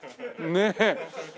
ねえ。